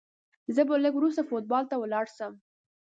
زه به لږ وروسته فوټبال ته ولاړ سم.